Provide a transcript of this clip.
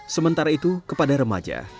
sementara itu kepada remaja